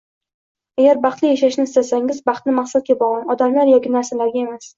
Agar baxtli yashashni istasangiz baxtni maqsadga bog’lang, odamlar yoki narsalarga emas